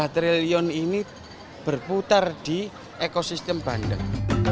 lima triliun ini berputar di ekosistem bandeng